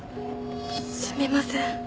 すみません。